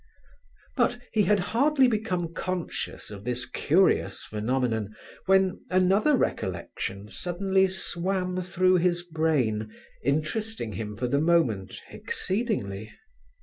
But he had hardly become conscious of this curious phenomenon, when another recollection suddenly swam through his brain, interesting him for the moment, exceedingly.